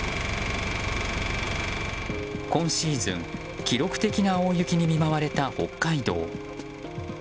今シーズン、記録的な大雪に見舞われた北海道。